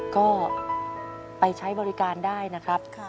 ก็ไปใช้บริการได้นะครับ